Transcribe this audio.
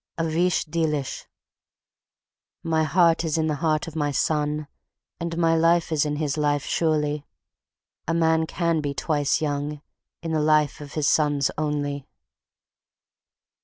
A Vich Deelish My heart is in the heart of my son And my life is in his life surely A man can be twice young In the life of his sons only.